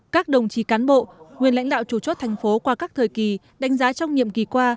các đồng chí cán bộ nguyên lãnh đạo chủ chốt thành phố qua các thời kỳ đánh giá trong nhiệm kỳ qua